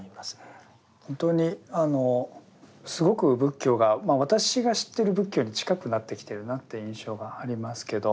本当にあのすごく仏教が私が知ってる仏教に近くなってきてるなって印象がありますけど。